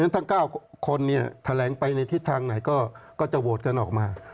ทั้ง๙คนแถลงไปในทิศทางไหนก็จะโหวตกันออกมา